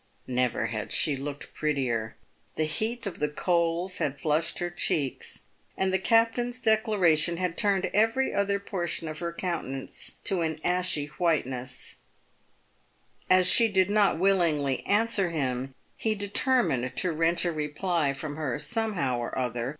Never had she looked prettier. The heat of the coals had flushed her cheeks, and the captain's declaration had turned every other portion of her countenance to an ashy whiteness As she did not willingly answer him, he determined to wrench a reply from her somehow or other.